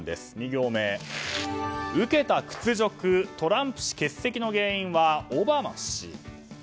２行目、受けた屈辱トランプ氏欠席の原因はオバマ氏。